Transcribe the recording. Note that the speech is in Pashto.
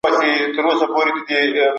هغه خپله غونډه په مينه پای ته ورسوله.